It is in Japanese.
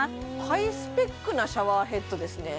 ハイスペックなシャワーヘッドですね